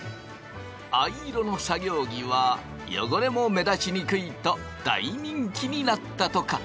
藍色の作業着は汚れも目立ちにくいと大人気になったとか。